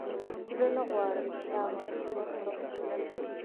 زه نه غواړم چې تا مجبور کړم.